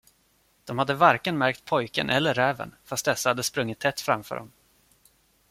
De hade varken märkt pojken eller räven, fast dessa hade sprungit tätt framför dem.